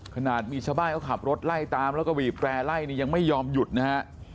ขนาดมีชาวบ้านเขาขับรถไล่ตามแล้วก็บีบแร่ไล่นี่ยังไม่ยอมหยุดนะฮะ